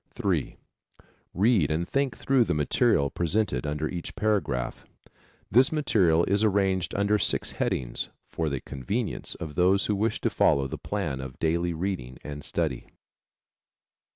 (3) Read and think through the material presented under each paragraph. This material is arranged under six headings for the convenience of those who wish to follow the plan of daily reading and study.